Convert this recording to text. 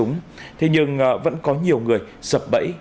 nhưng vẫn có nhiều người sập bẫy